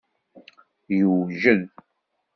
Yewjed.